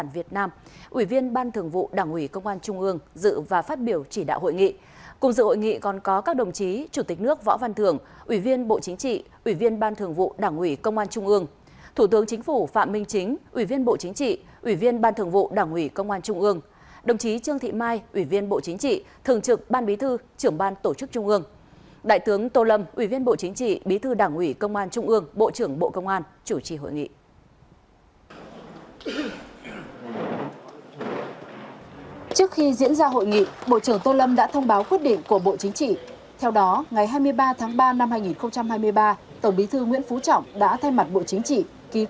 về việc chỉ định đồng chí võ văn thưởng ủy viên bộ chính trị chủ tịch nước tham gia đảng ủy công an trung ương và ban thử vụ đảng ủy công an trung ương nhiệm kỳ hai nghìn hai mươi hai nghìn hai mươi năm